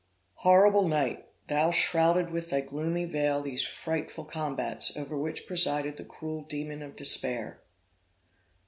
Horrible night! thou shrouded with thy gloomy veil these frightful combats, over which presided the cruel demon of despair.